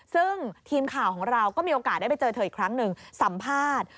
ซึ่งทีมข่าวของเราก็มีโอกาสได้ไปเจอเธออีกครั้งหนึ่งสัมภาษณ์